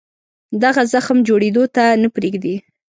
دغه زخم جوړېدو ته نه پرېږدي.